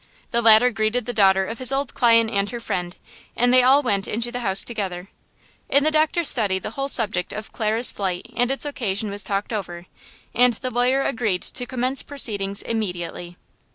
The latter greeted the daughter of his old client and her friend, and they all went into the house together. In the doctor's study the whole subject of Clara's flight and its occasion was talked over, and the lawyer agreed to commence proceedings immediately.